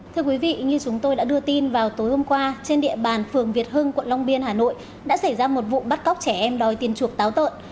thưa quý vị như chúng tôi đã đưa tin vào tối hôm qua trên địa bàn phường việt hưng quận long biên hà nội đã xảy ra một vụ bắt cóc trẻ em đòi tiền chuộc táo tợn